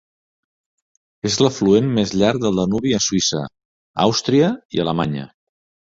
És l'afluent més llarg del Danubi a Suïssa, Àustria i Alemanya.